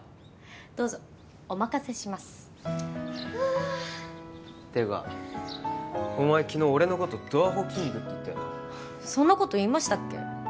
どうぞお任せしますはあっていうかお前昨日俺のことドアホキングって言ったよなそんなこと言いましたっけ？